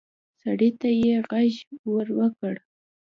سړي ته يې غېږ ورکړه.